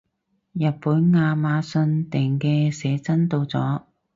日本亞馬遜訂嘅寫真到咗